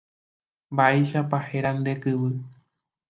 Mba'éichapa héra nde kyvy.